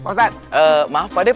pak ustaz terima kasih